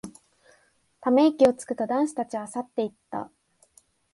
ため息をつくと、男子たちは散っていった。